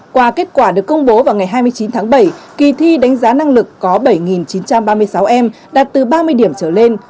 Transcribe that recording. qua kết quả được công bố vào ngày hai mươi chín tháng bảy kỳ thi đánh giá năng lực có bảy chín trăm ba mươi sáu em đạt từ ba mươi điểm trở lên